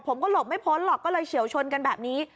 ผมก็หลบไม่พ้นหรอกก็เลยเฉียวชนกันแบบนี้